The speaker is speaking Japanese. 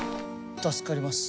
助かります。